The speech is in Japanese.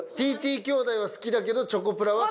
ＴＴ兄弟は好きだけどチョコプラは。